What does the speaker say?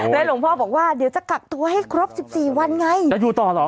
หลวงพ่อบอกว่าเดี๋ยวจะกักตัวให้ครบสิบสี่วันไงจะอยู่ต่อเหรอ